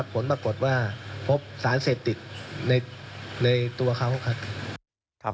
ผลปรากฏว่าพบสารเสพติดในตัวเขาครับ